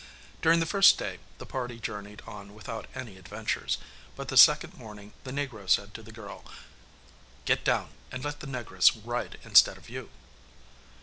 During the first day the party journeyed on without any adventures, but the second morning the negro said to the girl, 'Get down, and let the negress ride instead of you.